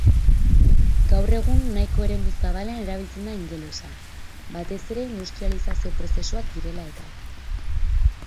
Gaur egun nahiko eremu zabalean erabiltzen da ingelesa, batez ere industrializazio prozesuak direla eta.